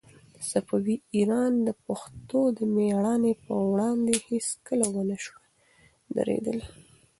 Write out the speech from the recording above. صفوي ایران د پښتنو د مېړانې په وړاندې هيڅکله ونه شوای درېدلای.